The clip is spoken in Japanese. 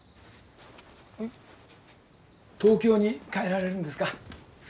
東京に帰られるんですか？